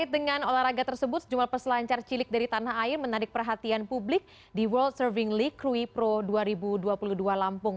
dengan olahraga tersebut jumlah peselancar cilik dari tanah air menarik perhatian publik di world surfing league pro dua ribu dua puluh dua lampung